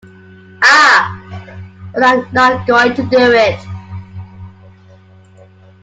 Ah, but I'm not going to do it.